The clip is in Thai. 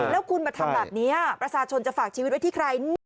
แล้วคุณมาทำแบบนี้ประชาชนจะฝากชีวิตไว้ที่ใคร